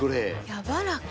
やわらか。